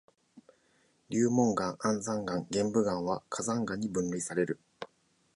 流紋岩、安山岩、玄武岩は火山岩に分類される。